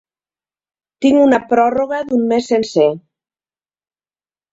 Tinc una pròrroga d'un mes sencer.